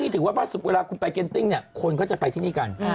ถือว่าเวลาคุณไปเก็นติ้งเนี่ยคนก็จะไปที่นี่กัน